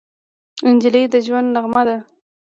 نجلۍ د ژونده نغمه ده.